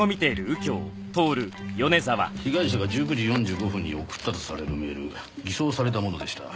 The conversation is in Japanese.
被害者が１９時４５分に送ったとされるメール偽装されたものでした。